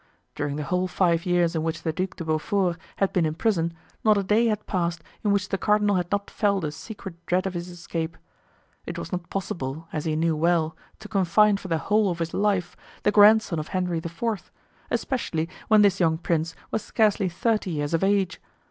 During the whole five years in which the Duc de Beaufort had been in prison not a day had passed in which the cardinal had not felt a secret dread of his escape. It was not possible, as he knew well, to confine for the whole of his life the grandson of Henry IV., especially when this young prince was scarcely thirty years of age.